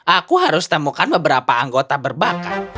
aku harus temukan beberapa anggota berbakat